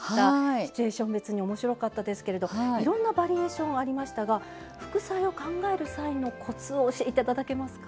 シチュエーション別に面白かったですけれどいろんなバリエーションありましたが副菜を考える際のコツをお教えいただけますか？